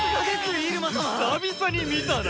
久々に見たな。